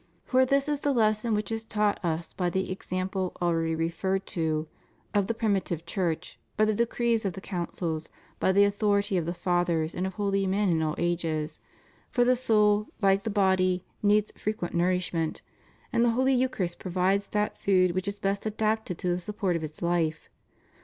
For this is the lesson which is taught us by the example, already referred to, of the primitive Church, by the de crees of Councils, by the authority of the Fathers and of holy men in all ages. For the soul, like the body, needs frequent nourishment; and the Holy Eucharist provides that food which is best adapted to the support of its life.